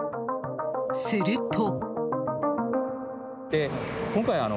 すると。